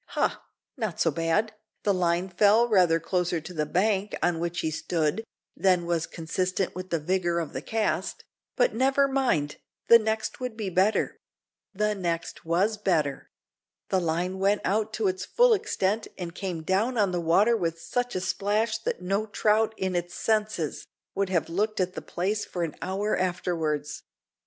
Ha! not so bad. The line fell rather closer to the bank on which he stood than was consistent with the vigour of the cast; but never mind, the next would be better! The next was better. The line went out to its full extent, and came down on the water with such a splash that no trout in its senses would have looked at the place for an hour afterwards.